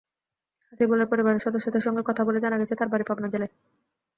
হাসিবুলের পরিবারের সদস্যদের সঙ্গে কথা বলে জানা গেছে, তাঁর বাড়ি পাবনা জেলায়।